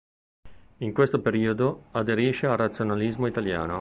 In questo periodo aderisce al Razionalismo italiano.